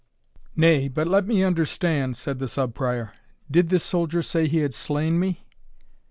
"Nay, but let me understand," said the Sub Prior; "did this soldier say he had slain me?"